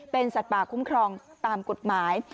เป็นสัตว์ป่าคุ้มครองตามกฎหมาย